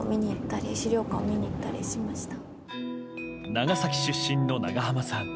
長崎出身の長濱さん。